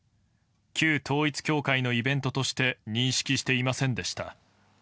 旧統一教会のイベントとして認識していませんでした。